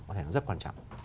có thể rất quan trọng